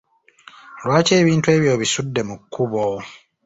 Lwaki ebintu ebyo obisudde mu kkubo?